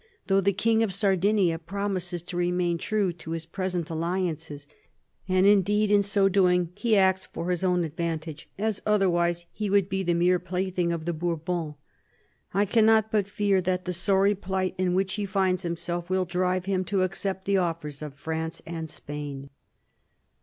Though the King of Sardinia promises to remain true to his present alliances, — and, indeed, in so doing he acts for his own advantage, as otherwise he would be the mere plaything of the Bourbons, — I cannot but fear that the sorry plight in which he finds himself will drive him to accept the offers of France and Spain."